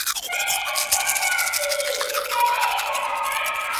Se encuentra actualmente en el Museo Británico de Londres.